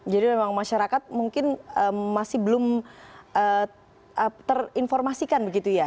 jadi memang masyarakat mungkin masih belum terinformasikan begitu ya